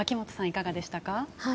いかがでしたか。